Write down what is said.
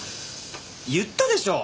言ったでしょ？